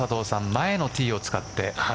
前のティーを使って。